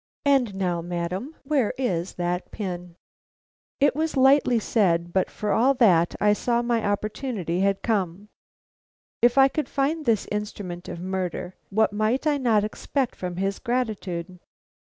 And now, madam, where is that pin?" It was lightly said, but for all that I saw that my opportunity had come. If I could find this instrument of murder, what might I not expect from his gratitude.